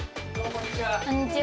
こんにちは。